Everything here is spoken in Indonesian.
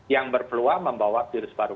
yang berpeluang membawa virus baru